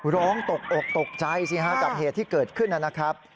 ร้องตกอกตกใจสิฮะกับเหตุที่เกิดขึ้นนะครับ